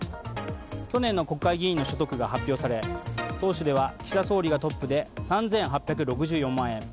去年の国会議員の所得が発表され党首では岸田総理がトップで３８６４万円。